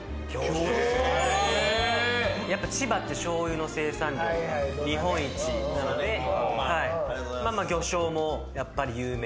やっぱ千葉ってしょうゆの生産量が日本一なので魚しょうもやっぱり有名。